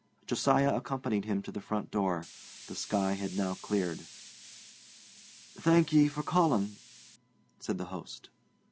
Josiah accompanied him to the front door. The sky had now cleared. 'Thank ye for calling,' said the host.